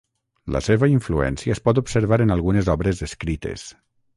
La seva influència es pot observar en algunes obres escrites.